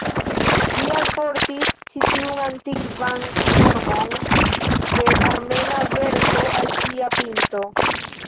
Li alportis ĉi tiun antikvan formon de armena verso al ĝia pinto.